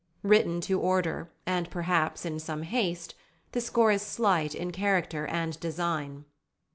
Written to order, and perhaps in some haste, the score is slight in character and design."